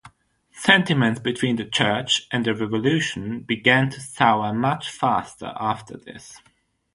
Sentiments between the Church and the Revolution began to sour much faster after this.